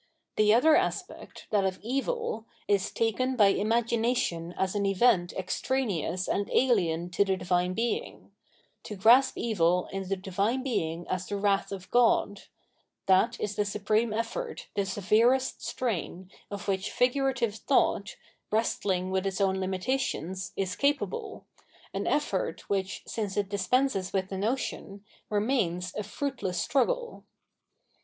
The other aspect, that of evil, is taken by imagination as an event extraneous and ahen to the Divine Being : to grasp evil in the Divine Being as the wrath of God — ^that is the supreme effort, the severest strain, of which figurative thought, wrestling with its own limita VOL. II.— 2 B 786 Phenomenology of Mind tions, is capable, an efiort which, since it dispenses with the notion, remains a fruitless struggle.